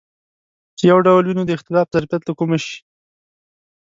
چې یو ډول وي نو د اختلاف ظرفیت له کومه شي.